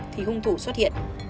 thì hung thủ xuất hiện